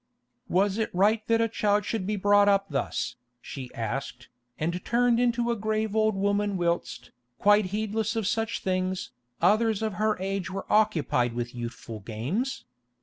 Was it right that a child should be brought up thus, she asked, and turned into a grave old woman whilst, quite heedless of such things, others of her age were occupied with youthful games?